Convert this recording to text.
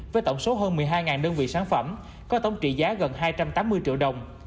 với tổng số hơn một mươi hai đơn vị sản phẩm có tổng trị giá gần hai trăm tám mươi triệu đồng